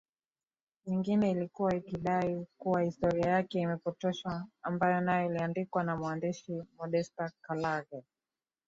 nyingine ilikuwa ikidai kuwa historia yake imepotoshwa ambayo nayo iliandikwa na mwandishi Modester Kallaghe